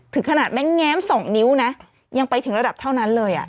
ถึงขนาดแม่แง้ม๒นิ้วนะยังไปถึงระดับเท่านั้นเลย